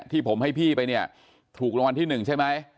ที่ผมให้พี่ไปถูกรางวัลที่นึงใช่ไหม